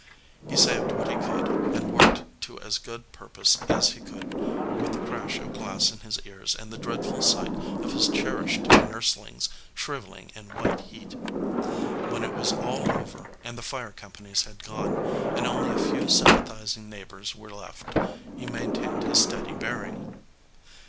He saved what he could, and worked to as good purpose as he could with the crash of glass in his ears and the dreadful sight of his cherished nurslings shriveling in white heat. When it was all over and the fire companies had gone, and only a few sympathiz 244 THE SOLDIER MAN ing neighbors were left, he maintained his steady bearing.